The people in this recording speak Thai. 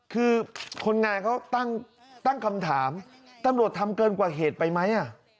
คือคนงานเขาตั้งคำถามตำรวจทำเกินกว่าเหตุไปไหม